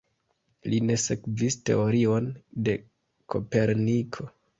Li ne sekvis teorion de Koperniko.